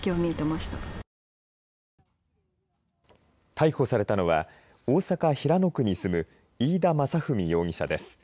逮捕されたのは大阪・平野区に住む飯田雅史容疑者です。